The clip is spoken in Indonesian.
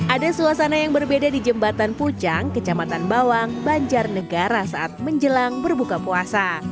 ada suasana yang berbeda di jembatan pucang kecamatan bawang banjarnegara saat menjelang berbuka puasa